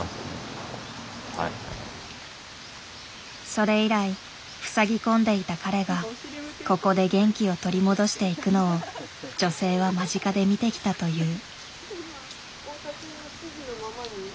それ以来ふさぎ込んでいた彼がここで元気を取り戻していくのを女性は間近で見てきたという。